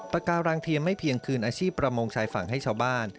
ปากการังเทียมไม่เพียงคืนอาชีพประมงชายฝั่งให้ชาวบ้าน